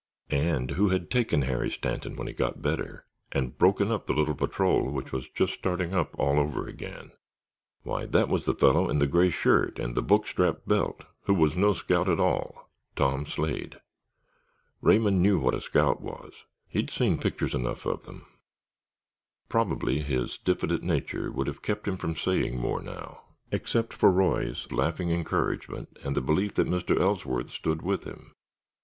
And who had taken Harry Stanton when he got better, and broken up the little patrol which was just starting up all over again? Why, that was the fellow in the gray shirt and the book strap belt, who was no scout at all—Tom Slade. Raymond knew what a scout was—he had seen pictures enough of them. Probably, his diffident nature would have kept him from saying more now except for Roy's laughing encouragement and the belief that Mr. Ellsworth stood with him.